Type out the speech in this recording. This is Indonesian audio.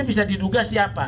ini bisa diduga siapa